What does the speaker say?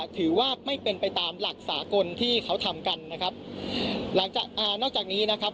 ถือว่าไม่เป็นไปตามหลักสากลที่เขาทำกันนะครับหลังจากอ่านอกจากนี้นะครับ